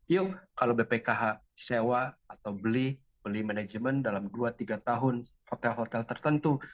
yuk kalau bpkh sewa atau beli beli manajemen dalam dua tiga tahun hotel hotel tertentu